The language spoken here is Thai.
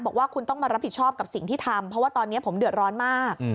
บอกว่าคุณต้องมารับผิดชอบกับสิ่งที่ทำเพราะว่าตอนนี้ผมเดือดร้อนมาก